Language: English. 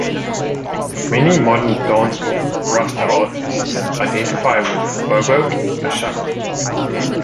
Many modern dancehall Rasta artists identify with Bobo Ashanti.